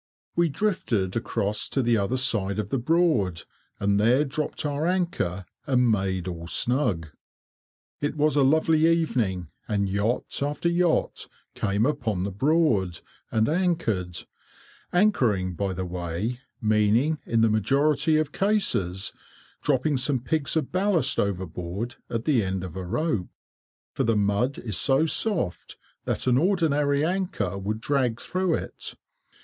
We drifted across to the other side of the Broad, and there dropped our anchor, and made all snug. [Picture: Horning Ferry] It was a lovely evening, and yacht after yacht came upon the Broad, and anchored; anchoring, by the way, meaning, in the majority of cases, dropping some pigs of ballast overboard, at the end of a rope, for the mud is so soft that an ordinary anchor would drag through it.